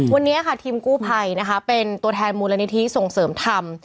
วันนี้ค่ะทีมกู้ไพเป็นตัวแทนมูลนิ้วนิทิการ์ทรงเสริมธรรม